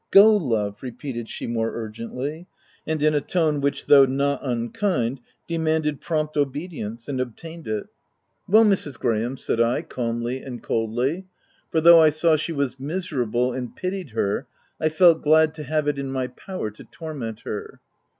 " Go, love !" re peated she more urgently, and in a tone, which, though not unkind, demanded prompt obedience, and obtained it. " Well, Mrs. Graham ?" said I, calmly and coldly ; for, though I saw she was miserable, and pitied her, I felt glad to have it in my power to torment her.